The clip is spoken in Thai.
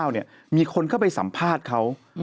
๕๘๕๙เนี่ยมีคนเข้าไปสัมภาษณ์เขา